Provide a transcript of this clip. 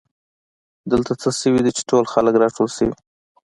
دلته څه شوي دي چې ټول خلک راټول شوي